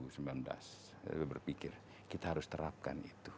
saya berpikir kita harus terapkan itu